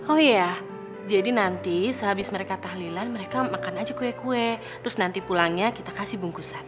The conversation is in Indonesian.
oh iya jadi nanti sehabis mereka tahlilan mereka makan aja kue kue terus nanti pulangnya kita kasih bungkusan